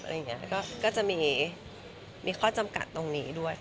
แล้วก็จะมีข้อจำกัดตรงนี้ด้วย